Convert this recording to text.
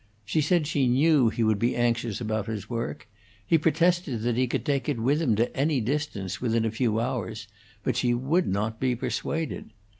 She said she knew he would be anxious about his work; he protested that he could take it with him to any distance within a few hours, but she would not be persuaded.